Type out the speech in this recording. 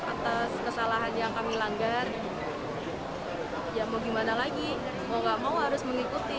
atas kesalahan yang kami langgar ya mau gimana lagi mau gak mau harus mengikuti